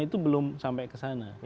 itu belum sampai ke sana